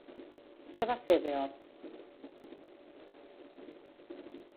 Què va ser Beot?